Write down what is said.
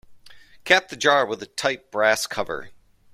Cap the jar with a tight brass cover.